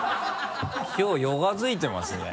きょうヨガづいてますね。